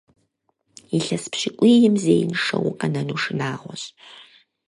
Илъэс пщыкӀуийм зеиншэу укъэнэну шынагъуэщ.